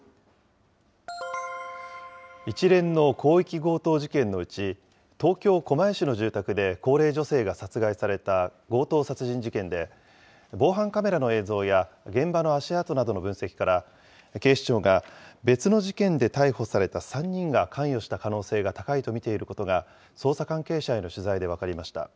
一連の広域強盗事件のうち、東京・狛江市の住宅で高齢女性が殺害された強盗殺人事件で、防犯カメラの映像や現場の足跡などの分析から、警視庁が別の事件で逮捕された３人が関与した可能性が高いと見ていることが、捜査関係者への取材で分かりました。